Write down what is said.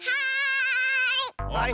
はい！